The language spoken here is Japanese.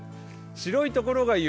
白いところが雪